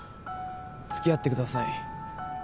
付き合ってください。